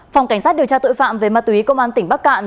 phòng cảnh sát điều tra tội phạm về ma túy công an tỉnh bắc cạn